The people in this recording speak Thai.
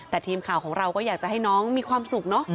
แต่ทีมข่าวของเราก็อยากจะให้น้องมีความสุขเนอะ